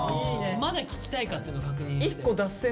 まだ聞きたいかっていうのを確認して。